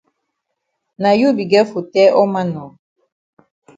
Na you be get for tell all man nor.